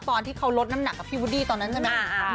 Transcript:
ตอนที่เขาลดน้ำหนักกับพี่วูดดี้ตอนนั้นใช่ไหม